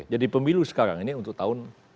pemilu sekarang ini untuk tahun